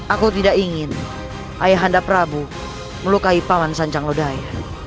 aku tidak ingin ayanda prabu melukai paman sanjang lodaya